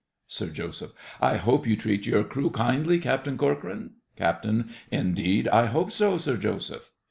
SIR JOSEPH. I hope you treat your crew kindly, Captain Corcoran. CAPT. Indeed I hope so, Sir Joseph.